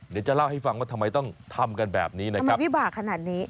เดี๋ยวจะเล่าให้ฟังว่าทำไมต้องทำกันแบบนี้นะครับ